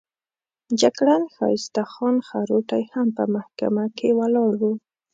جګړن ښایسته خان خروټی هم په محکمه کې ولاړ وو.